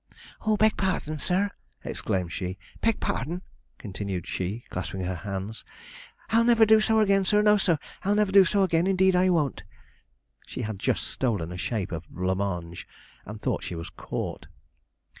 'Oh, beg pardon, sir!' exclaimed she; 'beg pardon,' continued she, clasping her hands; 'I'll never do so again, sir; no, sir, I'll never do so again, indeed I won't.' She had just stolen a shape of blanc mange, and thought she was caught.